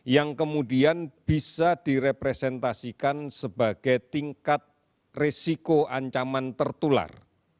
yang kemudian bisa direpresentasikan sebagai tingkat resiko ancaman tertular